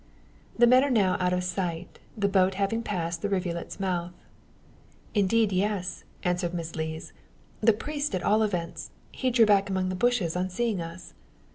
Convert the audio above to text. The men are now out of sight; the boat having passed the rivulet's mouth. "Indeed, yes," answered Miss Lees; "the priest, at all events. He drew back among the bushes on seeing us."